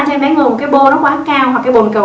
cho em bé ngồi một cái bô nó quá cao hoặc cái bồn cầu